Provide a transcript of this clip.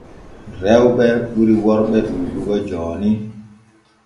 Rewɓe ɓuri worɓe ɗuuɗugo jooni.